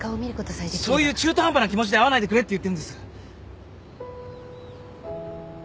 そういう中途半端な気持ちで会わないでくれって言ってるんです。